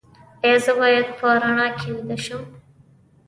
ایا زه باید په رڼا کې ویده شم؟